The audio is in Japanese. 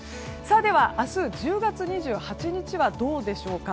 では、明日１０月２８日はどうでしょうか。